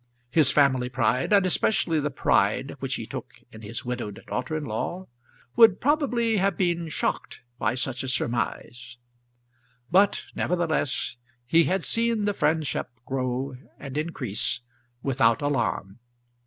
His family pride, and especially the pride which he took in his widowed daughter in law, would probably have been shocked by such a surmise; but, nevertheless, he had seen the friendship grow and increase without alarm.